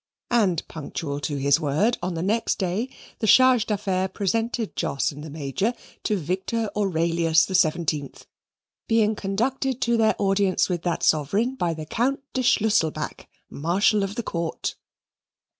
And punctual to his word, on the next day the Charge d'Affaires presented Jos and the Major to Victor Aurelius XVII, being conducted to their audience with that sovereign by the Count de Schlusselback, Marshal of the Court.